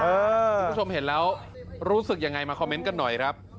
คุณผู้ชมเห็นแล้วรู้สึกยังไงมาคอมเมนต์กันหน่อยครับ